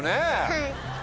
はい。